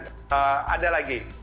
dan akan ada lagi